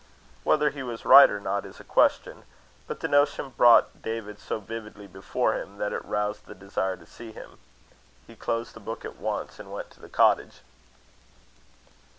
Whether he was right or not is a question; but the notion brought David so vividly before him, that it roused the desire to see him. He closed the book at once, and went to the cottage.